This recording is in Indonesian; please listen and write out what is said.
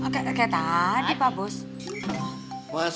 kayak tadi pak bos